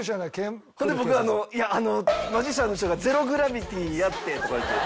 ほんで僕「マジシャンの人がゼロ・グラビティやって」とか言うて。